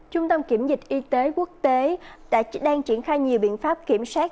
trung tâm kiểm dịch y tế quốc tế đang triển khai nhiều biện pháp kiểm soát